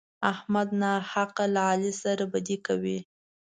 احمد ناحقه له علي سره بدي کوي.